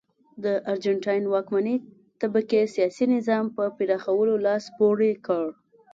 د ارجنټاین واکمنې طبقې سیاسي نظام په پراخولو لاس پورې کړ.